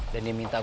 dan dia minta gue